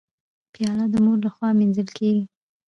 پیاله د مور لخوا مینځل کېږي.